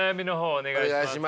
お願いします。